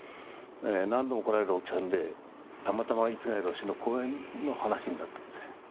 何度も来られるお客さんでたまたま逸外老師の講演の話になったんですよ。